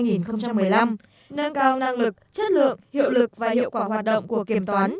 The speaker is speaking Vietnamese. nâng cao năng lực chất lượng hiệu lực và hiệu quả hoạt động của kiểm toán